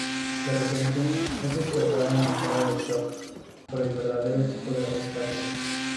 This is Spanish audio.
De repente, es despertada en estado de "shock" por el verdadero equipo de rescate.